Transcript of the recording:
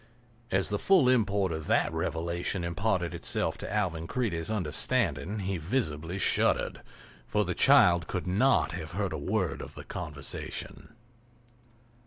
As the full import of that revelation imparted itself to Alvan Creede's understanding he visibly shuddered. For the child could not have heard a word of the conversation.